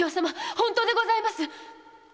本当でございます！〕